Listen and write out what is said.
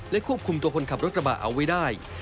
ควบคุมตัวคนขับรถกระบะเอาไว้ได้